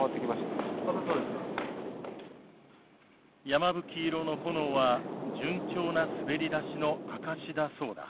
山吹色の炎は順調な滑り出しの証しだそうだ。